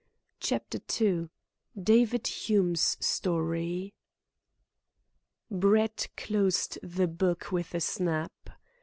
CHAPTER II DAVID HUME'S STORY Brett closed the book with a snap.